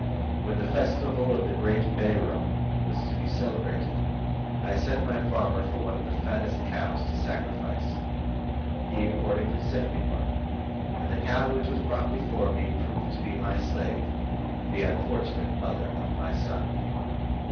When the festival of the great Bairam was to be celebrated, I sent to my farmer for one of the fattest cows to sacrifice. He accordingly sent me one, and the cow which was brought me proved to be my slave, the unfortunate mother of my son.